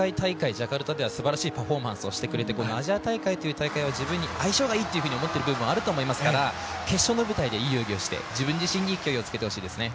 ジャカルタではすばらしいパフォーマンスをしてくれて、このアジア大会という大会は自分に相性がいいと思っていると思いますから決勝の舞台でいい泳ぎをして自分自身にいい勢いをつけてほしいですね。